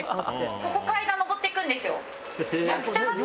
ここ階段上って行くんですよ。